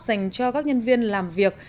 dành cho các nhân viên làm việc